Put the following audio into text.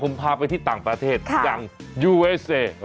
ใช้เมียได้ตลอด